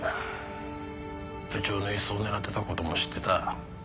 部長の椅子を狙ってた事も知ってた。